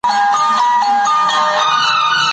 ږیره لرونکي کسان باید تل د مخلوقاتو پوره خدمتګار وي.